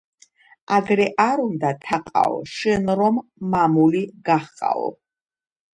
აგრე არ უნდა, თაყაო, შენ რომ მამული გაჰყაო